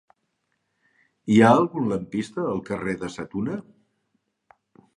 Hi ha algun lampista al carrer de Sa Tuna?